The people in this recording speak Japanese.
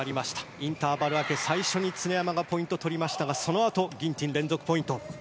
インターバル明け最初に常山がポイントを取ったがそのあと、ギンティン連続ポイント。